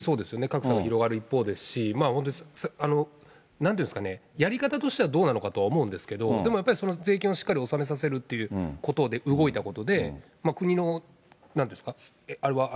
完全にそうですよね、格差が広がる一方ですし、なんていうんですかね、やり方としてはどうなのかとは思うんですけど、でもやっぱりその税金をしっかり納めさせるということで動いたことで、国のなんて言うんですか、